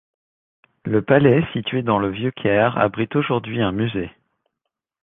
Le palais, situé dans le vieux Caire abrite aujourd'hui un musée.